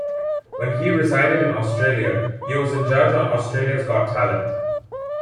When he resided in Australia, he was a judge on "Australia's Got Talent".